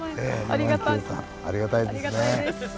ありがたいですね。